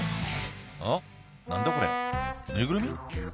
「あっ何だこれぬいぐるみ？」